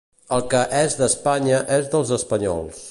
El que és d'Espanya és dels espanyols.